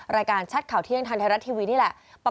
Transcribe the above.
รายการชัดข่าวเที่ยงทางไทยรัฐทีวีนี่แหละ